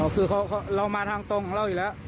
คือเรามาทางตรงของเราอยู่แล้ว